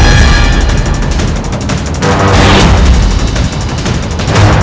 aku akan menang